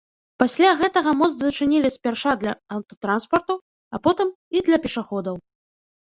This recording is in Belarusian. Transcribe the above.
Пасля гэтага мост зачынілі спярша для аўтатранспарту, а потым і для пешаходаў.